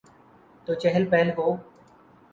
تو چہل پہل ہو۔